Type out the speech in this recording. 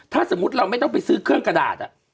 ถ้าสมมุติเราไม่ต้องไปซื้อเครื่องกระดาษ